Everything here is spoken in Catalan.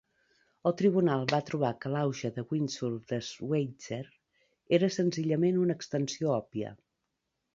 El tribunal va trobar que l'auge de windsurf de Schweitzer era "senzillament una extensió obvia".